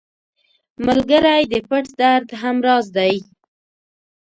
ملګری د پټ درد هم راز دی